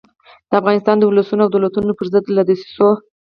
د افغانستان د اولسونو او دولتونو پر ضد له دسیسو.